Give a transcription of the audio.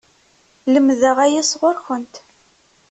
Lemdeɣ aya sɣur-kent!